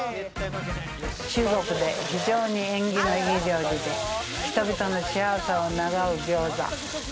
中国で非常に縁起が良い料理で、人々の幸せを願う餃子。